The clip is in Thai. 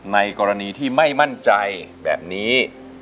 ในกรณีที่ไม่มั่นใจแบบนี้